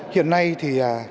hiện nay thì